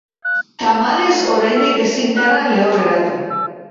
Tamalez, oraindik ezin gara lehorreratu.